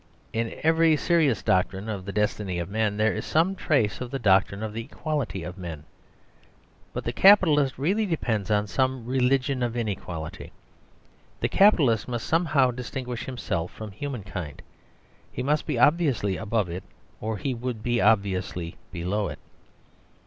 In every serious doctrine of the destiny of men, there is some trace of the doctrine of the equality of men. But the capitalist really depends on some religion of inequality. The capitalist must somehow distinguish himself from human kind; he must be obviously above it or he would be obviously below it.